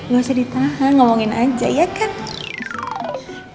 gak usah ditahan ngomongin aja ya kan